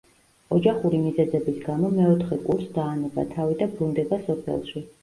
ოჯახური მიზეზების გამო მეოთხე კურს დაანება თავი და ბრუნდება სოფელში.